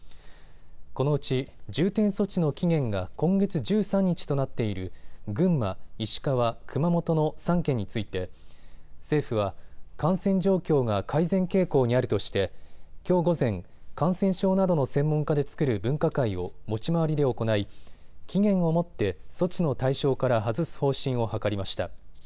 このうち重点措置の期限が今月１３日となっている群馬、石川、熊本の３県について政府は感染状況が改善傾向にあるとしてきょう午前、感染症などの専門家で作る分科会を持ち回りで行い、期限をもって措置の対象から外す方針を諮りました。